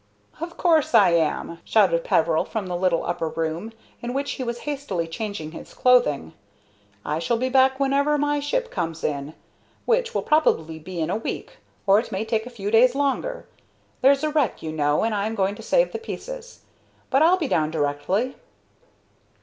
"Of course I am!" shouted Peveril from the little upper room, in which he was hastily changing his clothing. "I shall be back whenever my ship comes in, which will probably be in a week, or it may take a few days longer. There's a wreck, you know, and I am going to save the pieces. But I'll be down directly."